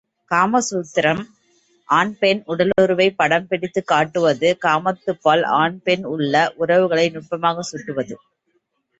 காமசூத்திரம் ஆண் பெண் உடலுறவைப் படம் பிடித்துக் காட்டுவது காமத்துப்பால் ஆண் பெண் உள்ள உறவுகளை நுட்பமாகச் சுட்டுவது.